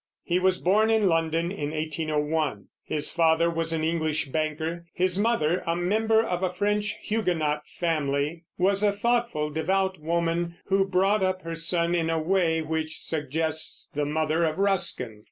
He was born in London, in 1801. His father was an English banker; his mother, a member of a French Huguenot family, was a thoughtful, devout woman, who brought up her son in a way which suggests the mother of Ruskin.